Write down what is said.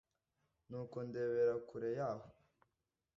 Nuko ndebera kure yaho,